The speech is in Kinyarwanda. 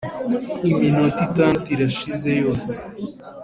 Iminota itandatu irashize yose